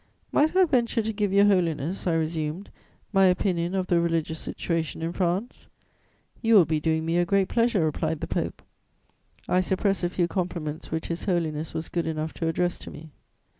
"'Might I venture to give Your Holiness,' I resumed, 'my opinion of the religious situation in France?' "'You will be doing me a great pleasure,' replied the Pope. "I suppress a few compliments which His Holiness was good enough to address to me.